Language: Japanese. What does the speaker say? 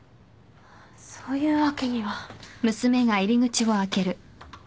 そういうわけには。